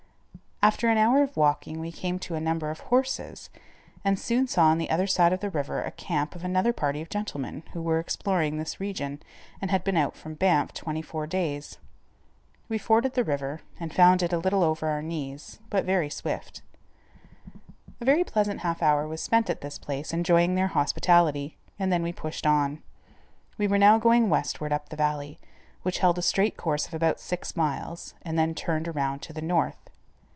After an hour of walking we came to a number of horses, and soon saw on the other side of the river a camp of another party of gentlemen, who were exploring this region, and had been out from Banff twenty four days. We forded the river, and found it a little over our knees, but very swift. A very pleasant half hour was spent at this place, enjoying their hospitality, and then we pushed on. We were now going westward up the valley, which held a straight course of about six miles, and then turned around to the north.